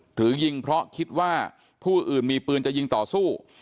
หรือยิงเพราะคิดว่าผู้อื่นมีปืนจะยิงต่อสู้